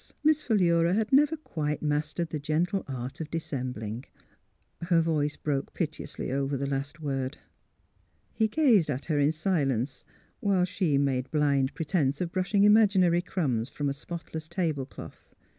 Miss Philura had never quite mastered the gentle art of dissembling. Her voice broke pite ously over the last word. He gazed at her in silence, while she made blind pretence of brushing imaginary crumbs from a spotless tablecloth.